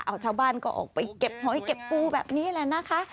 เอาชาวบ้านก็ออกไปเก็บหอยเก็บปูแบบนี้แหละนะคะ